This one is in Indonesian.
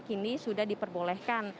kini sudah diperbolehkan